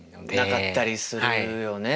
なかったりするよね。